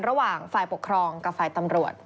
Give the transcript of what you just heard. ระหว่างฝ่ายปกครองกับฝ่ายตำรวจ